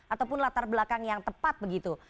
ataupun latar belakang yang tepat begitu